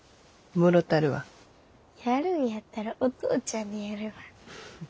やるんやったらお父ちゃんにやるわ。